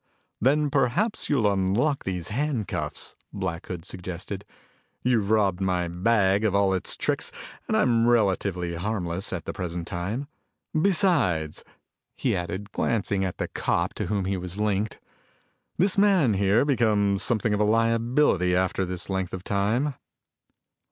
"Then perhaps you'll unlock these handcuffs," Black Hood suggested. "You've robbed my bag of all its tricks and I'm relatively harmless at the present time. Besides," he added, glancing at the cop to whom he was linked, "this man here becomes something of a liability after this length of time."